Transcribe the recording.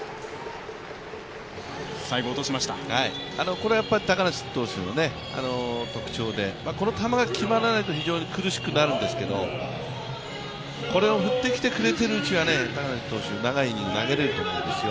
これは高梨投手の特徴でこの球が決まらないと非常に苦しくなるんですけれども、これを振ってきてくれているうちは、高梨投手、長いイニング投げられると思うんですよ。